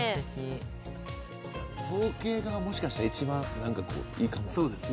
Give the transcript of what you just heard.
風景画がもしかしたら一番いいかも。